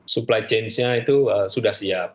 supply chain nya itu sudah siap